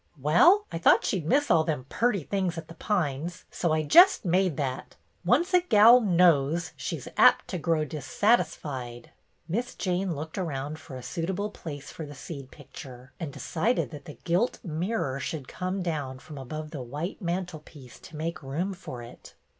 " Well, I thought she 'd miss all them purty things at The Pines, so I jest made that. Once a gal knows, she 's apt to grow dissatisfied." Miss Jane looked around for a suitable place for the seed j^icture, and de cided that the gilt mirror should come down from above the white mantelpiece to make room for it.